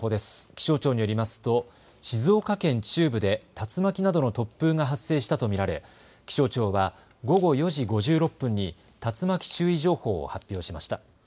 気象庁によりますと、静岡県中部で竜巻などの突風が発生したと見られ、気象庁は、午後４時５６分に竜巻注意情報を発表しました。